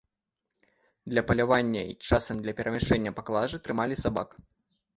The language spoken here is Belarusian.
Для палявання і часам для перамяшчэння паклажы трымалі сабак.